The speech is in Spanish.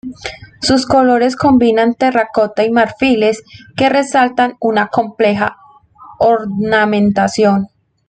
Sus colores combinan terracotas y marfiles, que resaltan una compleja ornamentación.